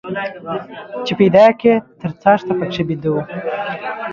چې پيدا يې کى تر څاښته پکښي بيده وو.